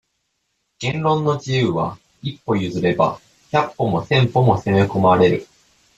言論の自由は、一歩譲れば、百歩も千歩も攻め込まれる。